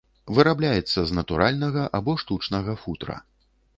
Вырабляецца з натуральнага або штучнага футра.